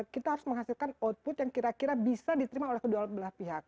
kita harus menghasilkan output yang kira kira bisa diterima oleh kedua belah pihak